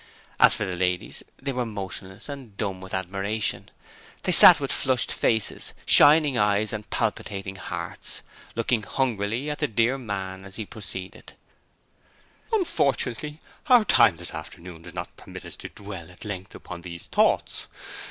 As for the ladies, they were motionless and dumb with admiration. They sat with flushed faces, shining eyes and palpitating hearts, looking hungrily at the dear man as he proceeded: 'Unfortunately, our time this afternoon does not permit us to dwell at length upon these Thoughts.